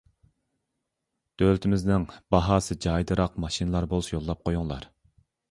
دۆلىتىمىزنىڭ باھاسى جايىدىراق ماشىنىلار بولسا يوللاپ قويۇڭلار.